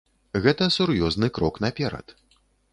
Гэта сур'ёзны крок наперад.